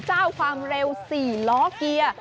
เจ้าความเร็ว๔ล้อเกียร์